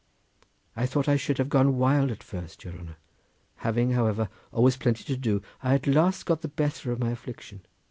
I thought I should have gone wild at first, your honour! Having, however, always plenty to do, I at last got the better of my affliction.